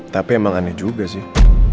tapi emang aneh juga sih